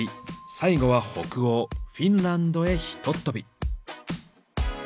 最後は北欧フィンランドへひとっ飛び。